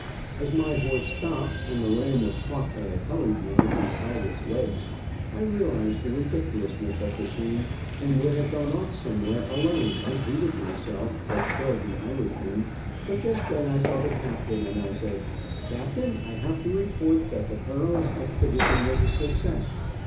As my horse stopped, and the ram was caught by a colored man, who tied its legs, I realized the ridiculousness of the scene, and would have gone off somewhere alone and hated myself, or killed the Irishman, but just then I saw the captain, and I said, "Captain, I have to report that the perilous expedition was a success.